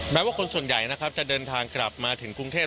แม้ว่าคนส่วนใหญ่นะครับจะเดินทางกลับมาถึงกรุงเทพ